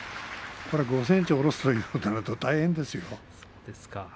５ｃｍ下ろすとなると大変ですよ。